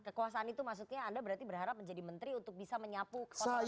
kekuasaan itu maksudnya anda berarti berharap menjadi menteri untuk bisa menyapu kepentingan